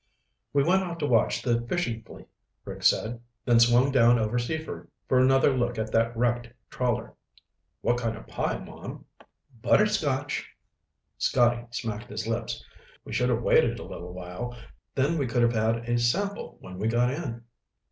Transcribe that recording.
"We went out to watch the fishing fleet," Rick said, "then swung down over Seaford for another look at that wrecked trawler. What kind of pie, Mom?" "Butterscotch." Scotty smacked his lips. "We should have waited a little while, then we could have had a sample when we got in."